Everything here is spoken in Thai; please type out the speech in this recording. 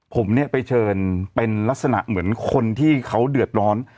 ผมเนี่ยไปเชิญเป็นลักษณะเหมือนคนที่เขาเดือดร้อน